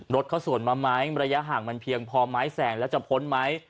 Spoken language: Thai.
รถเขาสวนมาไหมระยะห่างมันเพียงพอไม้แสงแล้วจะพ้นไหม